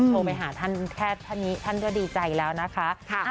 โทรไปหาท่านแพทย์ท่านนี้ท่านก็ดีใจแล้วนะคะ